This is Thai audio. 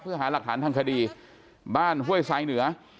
เพื่อหาหลักฐานทางคดีบ้านห้วยทรายเหนือ